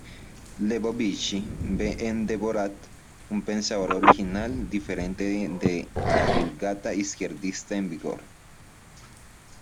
Lebovici ve en Debord un pensador original, diferente de la vulgata izquierdista en vigor.